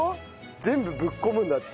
全部ぶっ込むんだって。